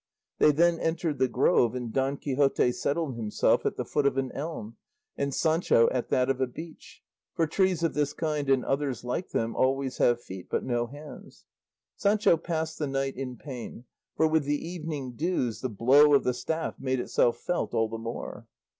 They then entered the grove, and Don Quixote settled himself at the foot of an elm, and Sancho at that of a beech, for trees of this kind and others like them always have feet but no hands. Sancho passed the night in pain, for with the evening dews the blow of the staff made itself felt all the more.